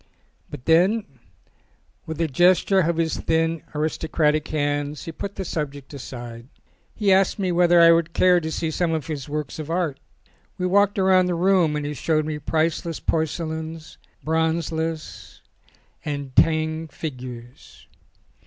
But then, with a gesture of his thin, aristo cratic hands, he put the subject aside. He asked me whether I would care to see some of his works of art. We walked round the room and he showed me priceless porcelains, bronzes, and Tang figures.